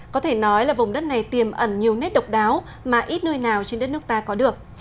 có thể nói là vùng đất này tiềm ẩn nhiều nét độc đáo mà ít nơi nào trên đất nước ta có được